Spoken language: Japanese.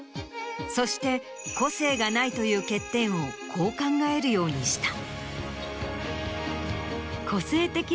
そして個性がないという欠点をこう考えるようにした。